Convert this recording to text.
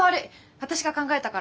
私が考えたから。